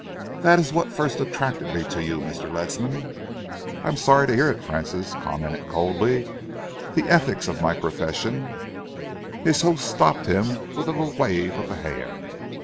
That is what first attracted me to you, Mr. Ledsam." "I am sorry to hear it," Francis commented coldly. "The ethics of my profession " His host stopped him with a little wave of the hand.